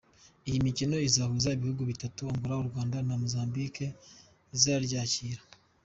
Iyi mikino izahuza ibhugu bitatu, Angola ,u Rwanda na Mozambique izaryakira.